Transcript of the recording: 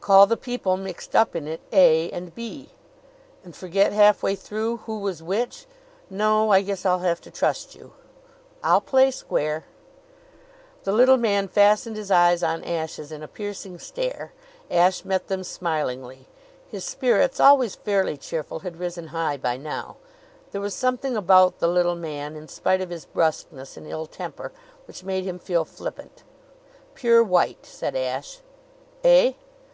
"Call the people mixed up in it A and B." "And forget, halfway through, who was which! No; I guess I'll have to trust you." "I'll play square." The little man fastened his eyes on Ashe's in a piercing stare. Ashe met them smilingly. His spirits, always fairly cheerful, had risen high by now. There was something about the little man, in spite of his brusqueness and ill temper, which made him feel flippant. "Pure white!" said Ashe. "Eh?"